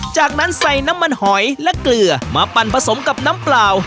จากนั้นใส่น้ำมันหอยและเกลือมาปั่นผสมกับน้ำเปล่า